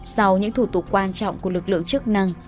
sau những thủ tục quan trọng của lực lượng chức năng